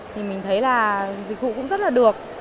thì mình thấy là dịch vụ cũng rất là được